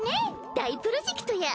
大プロジェクトや！